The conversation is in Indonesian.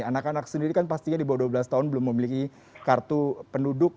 anak anak sendiri kan pastinya di bawah dua belas tahun belum memiliki kartu penduduk